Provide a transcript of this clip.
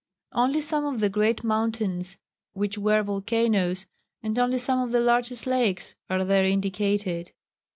Only some of the great mountains which were volcanoes, and only some of the largest lakes are there indicated.